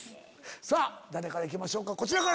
誰から行きましょうか？